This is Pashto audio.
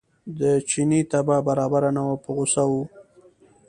د چیني طبع برابره نه وه په غوسه و.